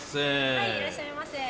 はいいらっしゃいませ。